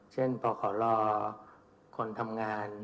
เช่นพอขอรอคนทำงาน